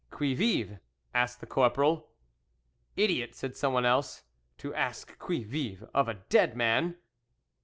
"Qui vive?" asked the corporal. "Idiot!" said someone else, "to ask 'Qui vive?' of a dead man!"